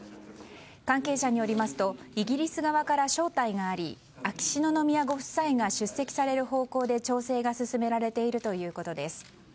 関係者によりますとイギリス側から招待があり秋篠宮ご夫妻が出席される方向で調整が進められているということです。